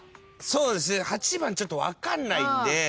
そうですね８番ちょっと分かんないんで。